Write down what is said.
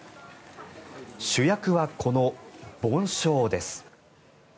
主役は、この梵鐘です。